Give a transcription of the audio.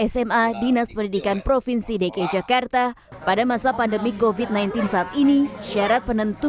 sma dinas pendidikan provinsi dki jakarta pada masa pandemi kofit sembilan belas saat ini syarat penentu